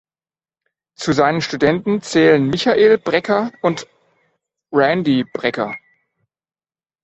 Zu seinen Studenten zählen Michael Brecker und Randy Brecker.